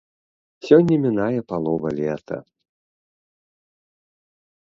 Сёння мінае палова лета.